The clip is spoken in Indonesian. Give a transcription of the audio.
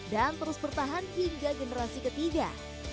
dan terus bertahan hingga generasi ketiga